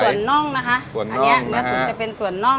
เนื้อตุ๋นจะเป็นส่วนน่อง